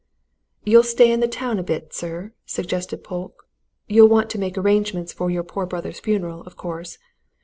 "You'll stay in the town a bit, sir?" suggested Polke. "You'll want to make arrangements for your poor brother's funeral, of course.